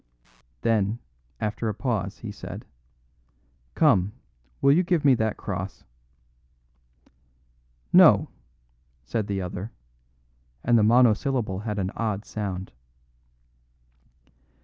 Then, after a pause, he said: "Come, will you give me that cross?" "No," said the other, and the monosyllable had an odd sound.